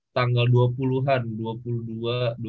tanggal dua puluh an dua puluh dua dua puluh empat udah berangkat